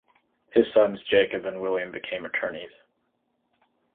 His sons Jacob and William became attorneys.